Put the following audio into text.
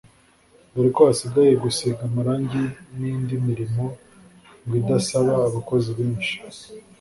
dore ko hasigaye gusiga amarangi n’indi mirimo ngo idasaba abakozi benshi